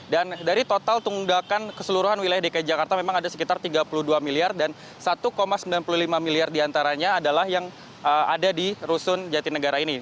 dan dari total tunggakan keseluruhan wilayah dki jakarta memang ada sekitar tiga puluh dua miliar dan satu sembilan puluh lima miliar di antaranya adalah yang ada di rusun jatinegara ini